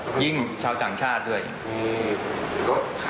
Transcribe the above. มันมีโอกาสเกิดอุบัติเหตุได้นะครับ